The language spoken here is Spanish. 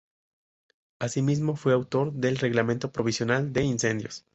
Así mismo, fue autor del reglamento provisional de incendios.